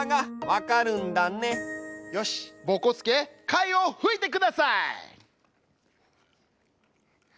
よしぼこすけ貝をふいてください！